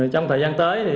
trong thời gian tới